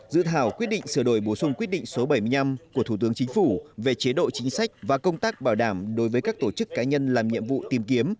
dự thảo quyết định sửa đổi bổ sung quyết định số bảy mươi năm của thủ tướng chính phủ về chế độ chính sách và công tác bảo đảm đối với các tổ chức cá nhân làm nhiệm vụ tìm kiếm